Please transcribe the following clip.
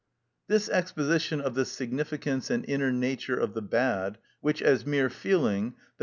This exposition of the significance and inner nature of the bad, which as mere feeling, _i.